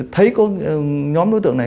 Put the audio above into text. thấy nhóm đối tượng này